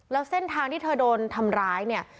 แล้วเส้นทางที่เธอโดนทำร้ายเนี่ย